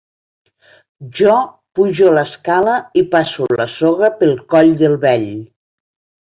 Jo pujo a l'escala i passo la soga pel coll del vell.